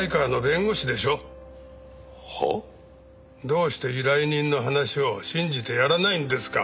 どうして依頼人の話を信じてやらないんですか？